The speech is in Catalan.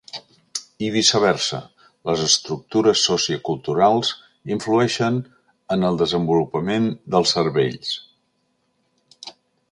I viceversa: les estructures socioculturals influeixen en el desenvolupament dels cervells.